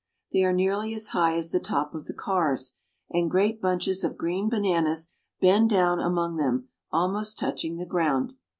They are nearly as high as the top of the cars, and great bunches of green bananas bend down among them, almost touching the ground.